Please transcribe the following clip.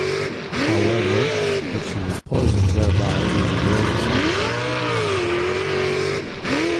However, that she was poisoned thereby was a gross assumption.